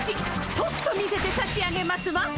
とくと見せてさしあげますわ！